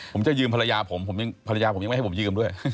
ผมจะยืมภรรยาผมผมยังภรรยาผมยังไม่ให้ผมยืมด้วย